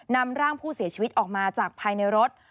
นำร่างผู้เสียชีวิตออกมาจากภายในรถ